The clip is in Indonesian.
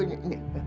mama ini udah